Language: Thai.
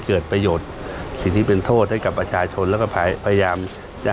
เกิดประโยชน์สิ่งที่เป็นโทษให้กับประชาชนแล้วก็พยายามจะ